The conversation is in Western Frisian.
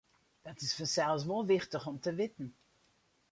Dat is fansels wol wichtich om te witten.